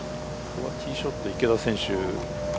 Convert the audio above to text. ティーショット、池田選手。